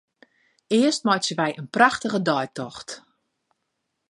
Earst meitsje wy in prachtige deitocht.